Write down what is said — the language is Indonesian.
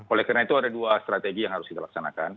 oleh karena itu ada dua strategi yang harus dilaksanakan